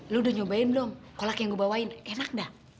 lu udah nyobain dong kolak yang gue bawain enak dah